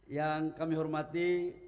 yang kami hormati